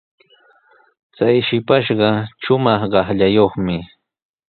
Chay shipashqa shumaq qaqllayuqmi.